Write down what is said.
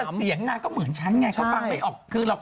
ก็เสียงแม่ก็เหมือนฉันไงเขาฟังไปรึเปล่า